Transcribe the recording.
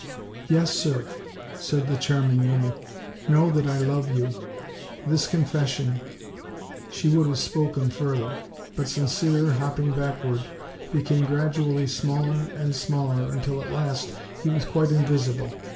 "Yes, sir," said the charming Amy, "know that I love you. This confession " She would have spoken fur ther; but Sincere, hopping backward, became gradually smaller and smaller, until at last he was quite invisible.